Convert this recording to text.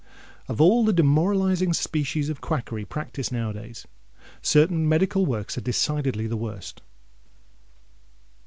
Of all the demoralising species of quackery practised now a days, certain medical works are decidedly the worst.